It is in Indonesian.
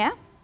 ya kita lihat